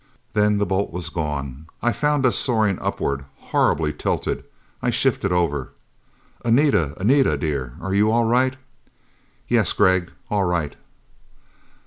Then the bolt was gone. I found us soaring upward, horribly tilted. I shifted over. "Anita! Anita, dear, are you all right?" "Yes, Gregg. All right."